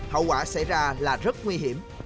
hậu quả xảy ra là rất nguy hiểm